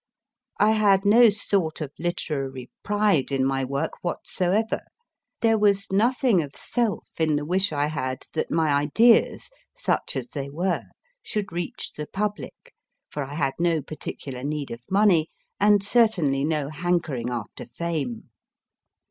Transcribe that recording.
I had no sort of literary pride in my work whatsoever ; there was nothing of self in the wish I had, that my ideas, such as they were, should reach the public, for I had no particular need of money, and certainly no hankering after fame.